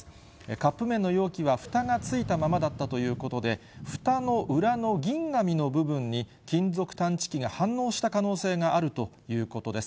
カップ麺の容器はふたがついたままだったということで、ふたの裏の銀紙の部分に、金属探知機が反応した可能性があるということです。